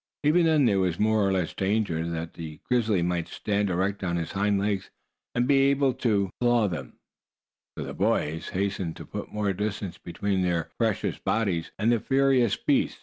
Even then there was more or less danger that the grizzly might stand erect on his hind legs, and be able to claw them, so the boys hastened to put more distance between their precious bodies and the furious beast.